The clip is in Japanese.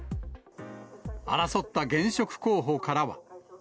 争った現職候補からは。